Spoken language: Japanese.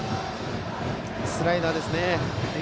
スライダーですね。